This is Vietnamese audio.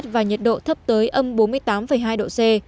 và nhiệt độ thấp tới âm bốn mươi tám hai độ c